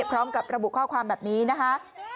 พร้อมกับระบุข้อความแบบนี้นะคะ